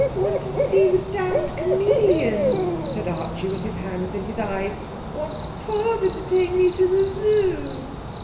'Want to see the damned chameleon,' said Archie, with his hands in his eyes. 'Want father to take me to the Zoo.'